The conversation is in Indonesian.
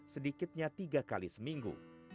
sedikitnya tiga kali seminggu